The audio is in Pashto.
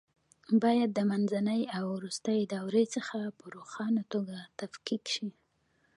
باید د منځنۍ او وروستۍ دورې څخه په روښانه توګه تفکیک شي.